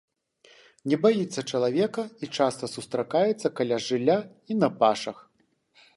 Не баіцца чалавека і часта сустракаецца каля жылля і на пашах.